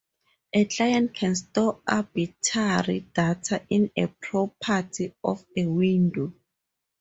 A client can store arbitrary data in a property of a window.